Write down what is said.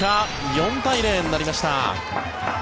４対０になりました。